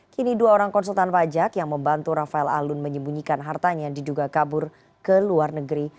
kini dua orang konsultan pajak yang membantu rafael alun menyembunyikan hartanya diduga kabur ke luar negeri